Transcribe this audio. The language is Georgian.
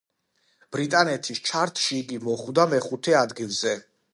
ბრიტანეთის ჩარტში იგი მოხვდა მეხუთე ადგილზე.